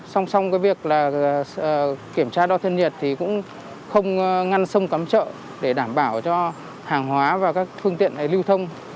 song song với việc kiểm tra đo thân nhiệt thì cũng không ngăn sông cắm chợ để đảm bảo cho hàng hóa và các phương tiện lưu thông